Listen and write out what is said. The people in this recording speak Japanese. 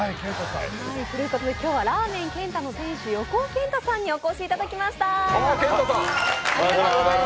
今日はラーメン健太の店主、横尾健太さんにお越しいただきました。